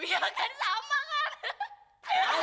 iya kan sama kan